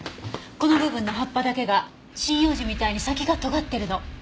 この部分の葉っぱだけが針葉樹みたいに先がとがってるの。